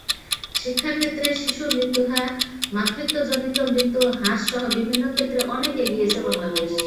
শিক্ষাক্ষেত্রে, শিশু মৃত্যুহার, মাতৃত্বজনিত মৃত্যু হ্রাসসহ বিভিন্ন ক্ষেত্রে অনেক এগিয়েছে বাংলাদেশ।